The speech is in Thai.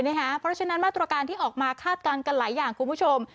เพราะฉะนั้นมาตรการที่ออกมาคาดการณ์กันหลายอย่างคุณผู้ชม